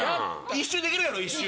一周できるやろ一周。